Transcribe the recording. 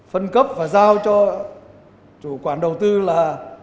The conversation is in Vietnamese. phân cấp và giao cho chủ quản đầu tư là